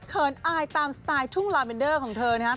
เขินอายตามสไตล์ทุ่งลาเมนเดอร์ของเธอนะครับ